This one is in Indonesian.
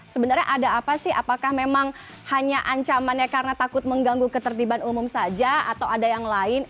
sebenarnya ada apa sih apakah memang hanya ancamannya karena takut mengganggu ketertiban umum saja atau ada yang lain